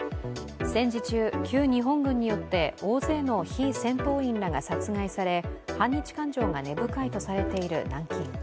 戦時中、旧日本軍によって大勢の非戦闘員らが殺害され反日感情が根深いとされている南京。